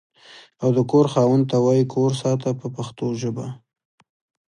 او د کور خاوند ته وایي کور ساته په پښتو ژبه.